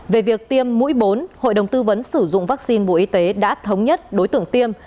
về việc tiêm mũi bốn hội đồng tư vấn sử dụng vaccine bộ y tế đã thống nhất đối tượng tiêm